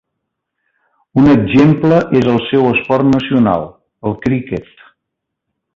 Un exemple és el seu esport nacional, el criquet.